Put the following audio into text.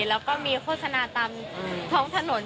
แล้วก็มีโฆษณาตามท้องถนน